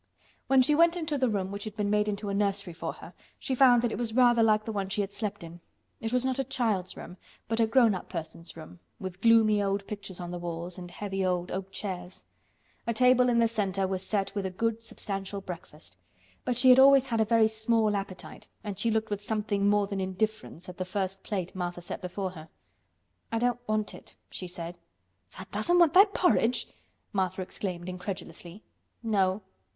When she went into the room which had been made into a nursery for her, she found that it was rather like the one she had slept in. It was not a child's room, but a grown up person's room, with gloomy old pictures on the walls and heavy old oak chairs. A table in the center was set with a good substantial breakfast. But she had always had a very small appetite, and she looked with something more than indifference at the first plate Martha set before her. "I don't want it," she said. "Tha' doesn't want thy porridge!" Martha exclaimed incredulously. "No."